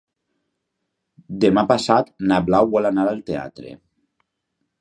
Demà passat na Blau vol anar al teatre.